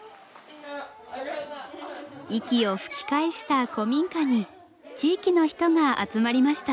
息を吹き返した古民家に地域の人が集まりました。